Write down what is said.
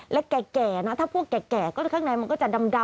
และแก่นะถ้าพวกแก่ก็ข้างในมันก็จะดำ